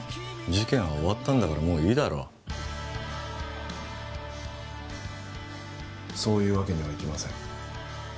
事件は終わったんだからもういいだろそういうわけにはいきません